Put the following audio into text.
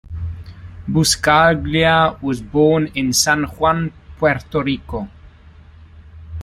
Buscaglia was born in San Juan, Puerto Rico.